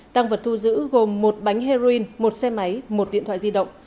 tăng vật thu giữ gồm một bánh heroin một xe máy một điện thoại di động